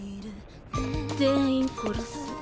全員殺す。